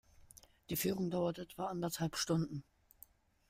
Die Führung dauert etwa anderthalb Stunden.